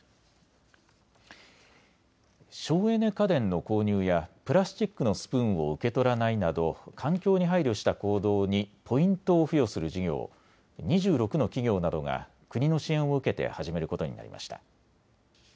省エネ家電の購入やプラスチックのスプーンを受け取らないなど環境に配慮した行動にポイントを付与する事業を２６の企業などが国の支援を受けて始めることになりました。